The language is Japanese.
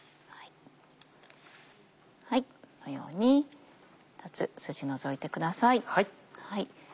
このように２つスジ除いてください。